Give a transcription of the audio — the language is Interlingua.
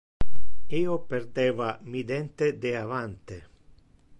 Io perdeva mi dente de avante.